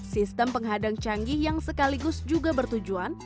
sistem penghadang canggih yang sekaligus juga bertujuan